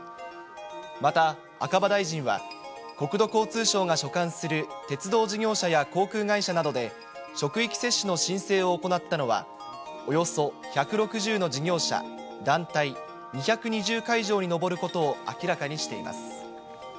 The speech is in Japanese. また赤羽大臣は、国土交通省が所管する鉄道事業者や航空会社などで、職域接種の申請を行ったのは、およそ１６０の事業者・団体、２２０会場に上ることを明らかにしています。